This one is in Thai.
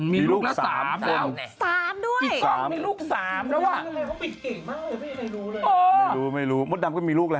ไม่รู้ไม่รู้มดดำก็มีลูกแล้ว